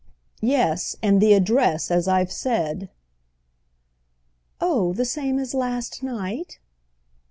"Yes, and the address, as I've said." "Oh the same as last night?"